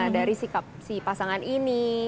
dari sikap si pasangan ini